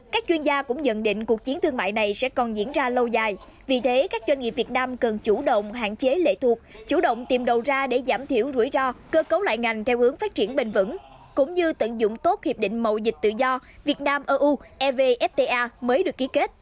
các chuyên gia cũng nhận định cuộc chiến thương mại này sẽ còn diễn ra lâu dài vì thế các doanh nghiệp việt nam cần chủ động hạn chế lệ thuộc chủ động tìm đầu ra để giảm thiểu rủi ro cơ cấu lại ngành theo hướng phát triển bền vững cũng như tận dụng tốt hiệp định mậu dịch tự do việt nam eu evfta mới được ký kết